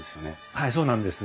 はいそうなんです。